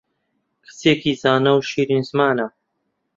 کچێکی زانا و شیرین زمانە